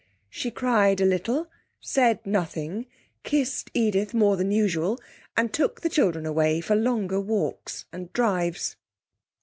She cried a little, said nothing, kissed Edith more than usual, and took the children away for longer walks and drives.